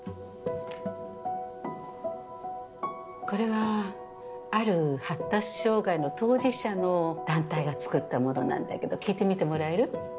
これはある発達障害の当事者の団体が作ったものなんだけど聞いてみてもらえる？